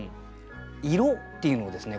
「色」っていうのをですね